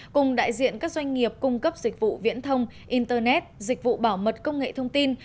cùng đại diện các doanh nghiệp cung cấp dịch vụ viễn thông internet dịch vụ bảo mật công nghệ thông tin